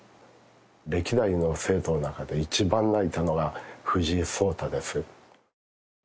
歴代の生徒の中で一番泣いたのが藤井聡太です。